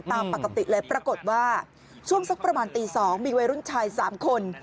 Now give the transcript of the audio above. ตามปกติเลยปรากฏว่าช่วงสักประมาณตี๒มีวัยรุ่นชาย๓คน